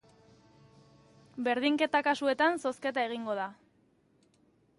Berdinketa kasuetan, zozketa egingo da.